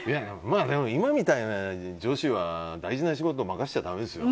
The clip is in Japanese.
今みたいな女子は大事な仕事を任せちゃだめですよ。